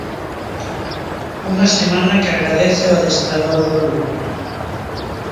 Unha semana que agradece o adestrador do Lugo.